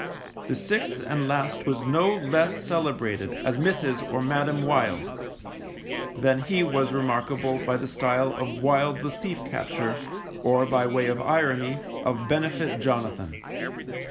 The sixth and last was no less celebrated as Mrs. or Madam Wild, than he was remarkable by the style of Wild the Thief catcher, or, by way of irony, of Benefit Jonathan.